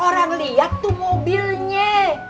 orang lihat tuh mobilnya